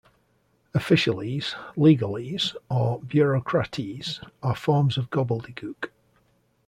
"Officialese", "legalese", or "bureaucratese" are forms of gobbledygook.